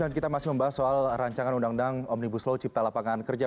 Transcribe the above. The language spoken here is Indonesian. dan kita masih membahas soal rancangan undang undang omnibus law cipta lapangan kerja